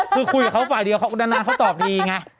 คุยกับเขาป่ะเดี๋ยวนานเขาตอบดีไง